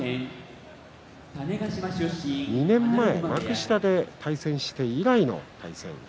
２年前、幕下で対戦して以来の対戦です。